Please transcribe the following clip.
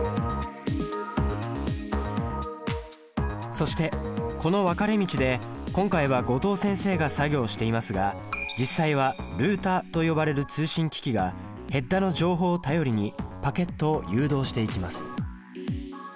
そしてこの分かれ道で今回は後藤先生が作業していますが実際はルータと呼ばれる通信機器がヘッダの情報を頼りにパケットを誘導していきます。